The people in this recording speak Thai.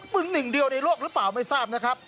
หนึ่งเดียวในโลกหรือเปล่าไม่ทราบนะครับ